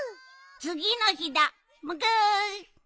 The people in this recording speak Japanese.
つぎのひだもぐ。